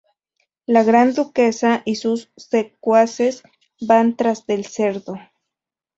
La Gran Duquesa y sus secuaces van tras del cerdo.